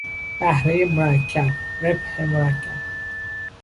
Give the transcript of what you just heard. بهرهی مرکب، ربح مرکب